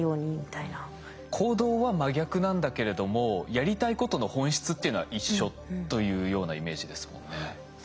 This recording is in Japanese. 行動は真逆なんだけれどもやりたいことの本質というのは一緒というようなイメージですもんね。